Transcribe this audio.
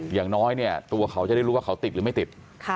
อย่างน้อยเนี่ยตัวเขาจะได้รู้ว่าเขาติดหรือไม่ติด